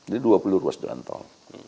di dua puluh ruas jalan tol